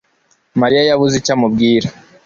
Mariya yabuze icyo amubwira.